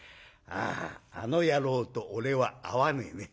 あの野郎と俺は合わねえね。